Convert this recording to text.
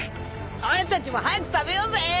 俺たちも早く食べようぜ！